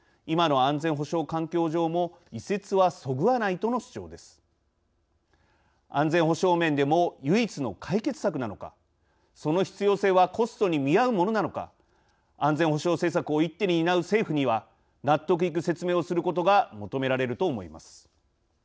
安全保障面でも唯一の解決策なのかその必要性はコストに見合うものなのか安全保障政策を一手に担う政府には納得いく説明をすることが求められると思います。